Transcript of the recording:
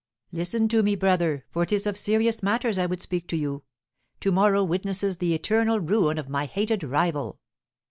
Listen to me, brother, for it is of serious matters I would speak to you. To morrow witnesses the eternal ruin of my hated rival."